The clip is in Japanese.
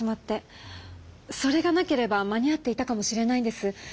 それがなければ間に合っていたかもしれないんです。